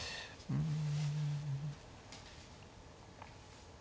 うん？